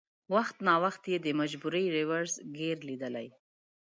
وخت ناوخت یې د مجبورۍ رېورس ګیر لېدلی.